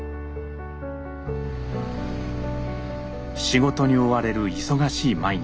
仕事に追われる忙しい毎日。